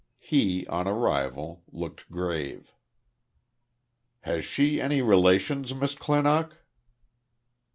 He, on arrival, looked grave. "Has she any relations, Miss Clinock?"